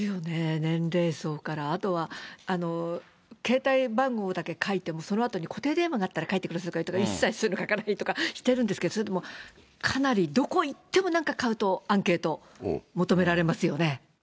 年齢層から、あとは、携帯電話番号だけ書いても、そのあとに固定電話、書いてくださいとか、一切そういうの書かないとかしてるんですけど、それでもかなり、どこ行っても、なんか買うとアンケートも止められますよね。